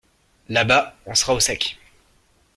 Là-bas, on sera au sec!